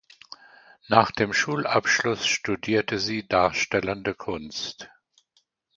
Nach dem Schulabschluss studierte sie Darstellende Kunst.